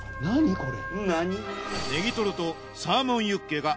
これ。